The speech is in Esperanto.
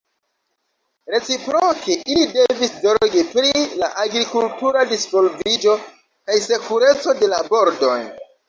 Reciproke, ili devis zorgi pri la agrikultura disvolviĝo kaj sekureco de la bordoj.